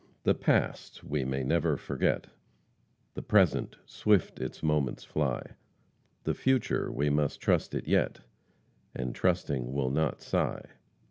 "The past, we may never forget, The present, swift its moments fly, The future, we must trust it yet, And trusting will not sigh."